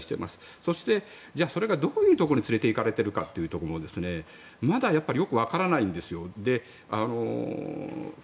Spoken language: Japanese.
そして、それがどういうところに連れていかれてるかというところがまだやっぱりよくわからないんですよ。